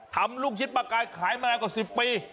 ลูกชิ้นปลากายขายมานานกว่า๑๐ปี